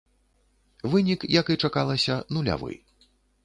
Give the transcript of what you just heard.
Вынік, як і чакалася, нулявы.